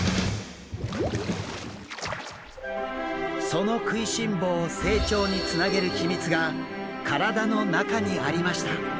その食いしん坊を成長につなげる秘密が体の中にありました。